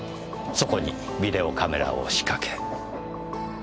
そこにビデオカメラを仕掛け。